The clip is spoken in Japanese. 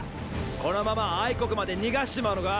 このまま国まで逃がしちまうのか？